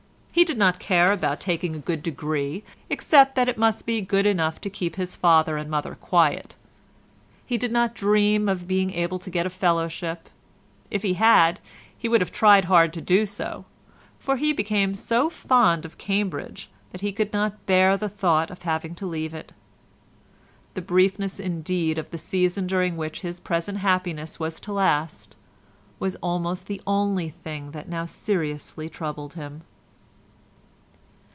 He did not care about taking a good degree, except that it must be good enough to keep his father and mother quiet. He did not dream of being able to get a fellowship; if he had, he would have tried hard to do so, for he became so fond of Cambridge that he could not bear the thought of having to leave it; the briefness indeed of the season during which his present happiness was to last was almost the only thing that now seriously troubled him.